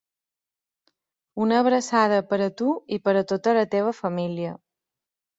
Una abraçada per a tu i per a tota la teva família.